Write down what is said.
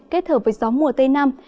kết hợp với gió mùa tây nam